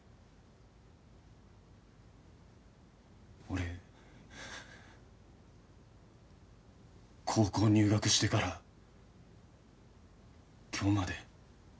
俺高校入学してから今日まで。